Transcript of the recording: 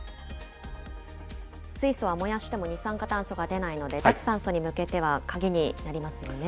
水素は燃やしても二酸化炭素が出ないので、脱炭素に向けては鍵になりますよね。